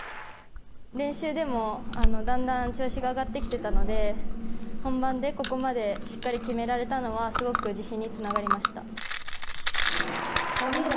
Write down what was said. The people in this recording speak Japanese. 練習でもだんだん調子が上がってきてたので、本番で、ここまでしっかり決められたのは、すごく自信につながりました。